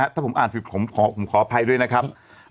ถ้าผมอ่านผิดผมขออภัยด้วยนะครับ